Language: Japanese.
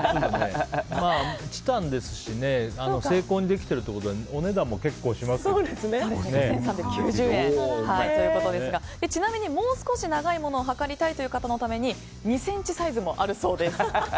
チタンですし精巧にできているということで５３９０円ということですがちなみにもう少し長いものを測りたいという人のために２ｃｍサイズもあるそうです。